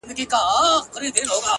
و تاسو ته يې سپين مخ لارښوونکی- د ژوند-